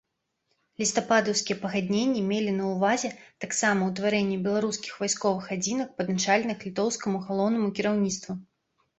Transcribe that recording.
Лістападаўскія пагадненні мелі на ўвазе таксама ўтварэнне беларускіх вайсковых адзінак, падначаленых літоўскаму галоўнаму кіраўніцтву.